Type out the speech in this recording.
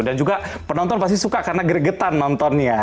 dan juga penonton pasti suka karena gregetan nontonnya